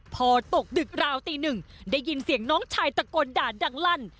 พอตกดึกราวตีหนึ่งได้ยินเสียงน้องชายตะโกนด่าดังลั่น